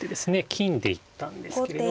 金で行ったんですけれども。